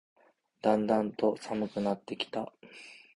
だんだんと寒くなってきた